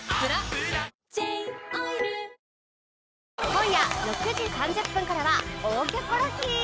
今夜６時３０分からは『大キョコロヒー』